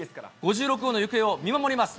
５６号の行方を見守ります。